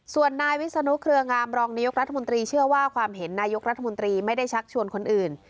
ส่วนนายวิศนุเครืองามรองนายกรัฐมนตรีเชื่อว่าความเห็นนายกรัฐมนตรีไม่ได้ชักชวนคนอื่น